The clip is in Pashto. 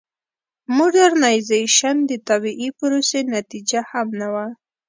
د موډرنیزېشن د طبیعي پروسې نتیجه هم نه وه.